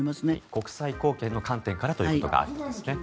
国際貢献の観点からということがありますね。